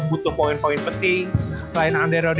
peserta untuk warni noriem sakit bruce